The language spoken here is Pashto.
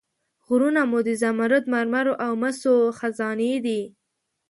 غرونه مو د زمرد، مرمر او مسو خزانې دي.